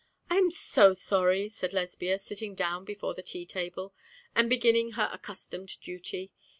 'I am so sorry,' said Lesbia, sitting down before the tea table, and beginning her accustomed duty.